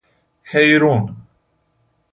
هیرون